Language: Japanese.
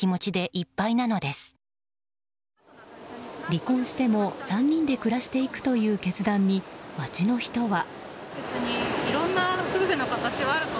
離婚しても３人で暮らしていくという決断に街の人は。